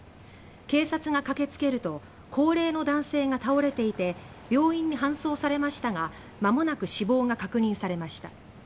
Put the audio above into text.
警察が駆けつけると高齢の男性が倒れていて病院に搬送されましたがまもなく死亡が確認されました。